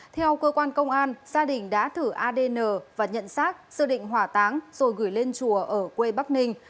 theo cơ quan công an gia đình đã thử adn và nhận xác xưa định hỏa táng rồi gửi lên chùa ở quê bắc ninh